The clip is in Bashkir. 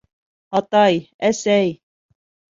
Атай-әсәй!